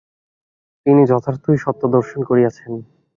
তিনি যথার্থই সত্য দর্শন করিয়াছেন।